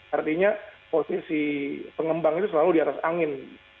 artinya posisi pengembang itu selalu di atas angin